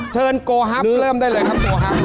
เชิญโกฮับเริ่มได้เลยครับ